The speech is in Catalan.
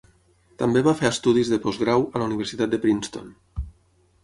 També va fer estudis de postgrau a la Universitat de Princeton.